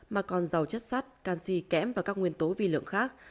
mà còn giàu chất sắt canxi kẽm và các nguyên tố vi lượng khác